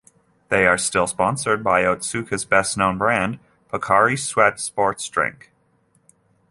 They are still sponsored by Otsuka's best-known brand, Pocari Sweat sports drink.